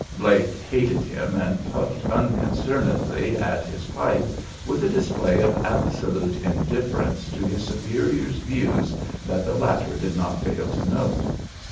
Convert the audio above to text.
Blake hated him and puffed unconcernedly at his pipe, with a display of absolute indifference to his superior's views that the latter did not fail to note.